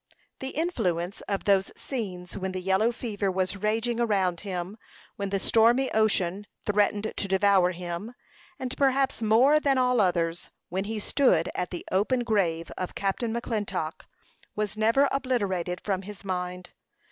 The influence of those scenes when the yellow fever was raging around him, when the stormy ocean threatened to devour him, and perhaps more than all others, when he stood at the open, grave of Captain McClintock, was never obliterated from his mind.